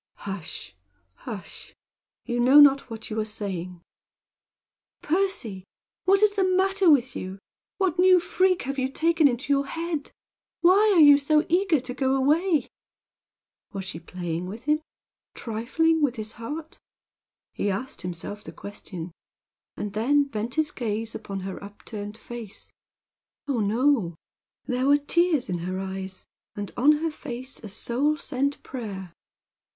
"Hush, hush! You know not what you are saying." "Percy! What is the matter with you? What new freak have you taken into your head? Why are you so eager to go away?" Was she playing with him trifling with his heart? He asked himself the question, and then bent his gaze upon her upturned face. Oh, no, no! There were tears in her eyes, and on her face a soul sent prayer.